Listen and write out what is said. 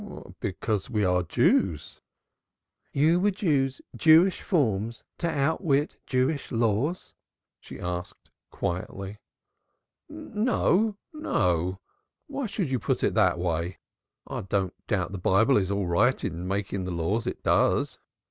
"Because we are Jews." "You would use Jewish forms to outwit Jewish laws?" she asked quietly. "No, no. Why should you put it that way? I don't doubt the Bible is all right in making the laws it does.